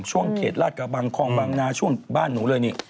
เขตราชกระบังคลองบางนาช่วงบ้านหนูเลยนี่